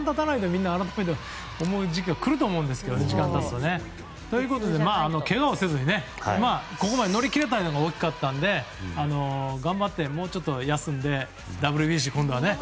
みんな、改めて思う時期が来ると思うんですけどね。ということで、けがをせずにここまで乗り切れたのが大きかったので頑張って、もうちょっと休んでＷＢＣ、今度はね。